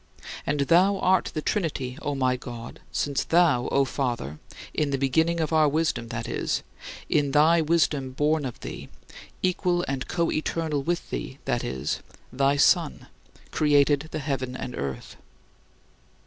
And thou art the Trinity, O my God, since thou, O Father in the beginning of our wisdom, that is, in thy wisdom born of thee, equal and coeternal with thee, that is, thy Son created the heaven and the earth.